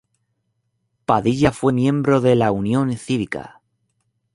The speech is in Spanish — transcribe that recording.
Padilla fue miembro de la Unión Cívica.